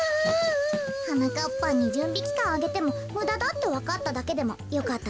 はなかっぱんにじゅんびきかんあげてもむだだってわかっただけでもよかったとおもいましょ。